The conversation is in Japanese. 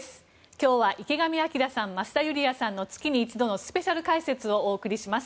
今日は池上彰さん、増田ユリヤさんの月に一度のスペシャル解説をお送りいたします。